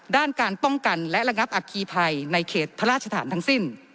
ด้านการป้องกันและระงับอัคคีภัยในเขตพระราชฐานทั้งสิ้น